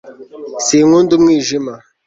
sinkunda umwijima